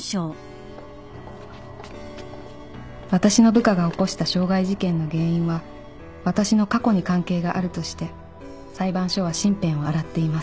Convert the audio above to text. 「私の部下が起こした傷害事件の原因は私の過去に関係があるとして裁判所は身辺を洗っています」